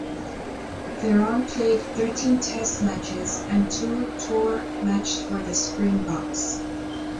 Theron played thirteen test matches and two tour matched for the Springboks.